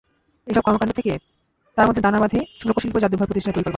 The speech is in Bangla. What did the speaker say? এসব কর্মকাণ্ড থেকেই তাঁর মধ্যে দানা বাঁধে লোকশিল্প জাদুঘর প্রতিষ্ঠার পরিকল্পনা।